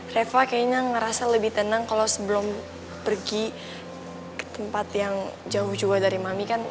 reva kayaknya ngerasa lebih tenang kalau sebelum pergi ke tempat yang jauh juga dari mami kan